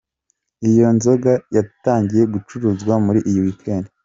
Iyi nzoga yatangiye gucuruzwa muri iyi weekend.